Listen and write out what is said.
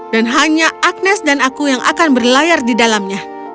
dan hanya agnes dan aku yang akan berlayar di dalamnya